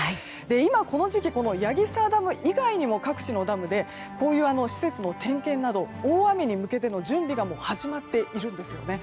今この時期、矢木沢ダム以外にも各地のダムでこういう施設の点検など大雨に向けての準備がもう始まっているんですよね。